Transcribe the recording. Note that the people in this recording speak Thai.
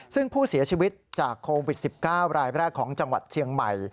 ซึ่งผู้เสียชีวิตจากโควิด๑๙รายแรกของจังหวัดเชียงใหม่